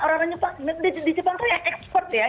orang orang jepang di jepang itu ya ekspor ya